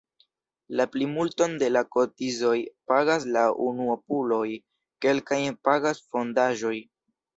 La plimulton de la kotizoj pagas la unuopuloj, kelkajn pagas fondaĵoj.